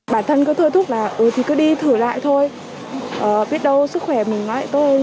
bản thân cứ thưa thúc là ừ thì cứ đi thử lại thôi biết đâu sức khỏe mình lại thôi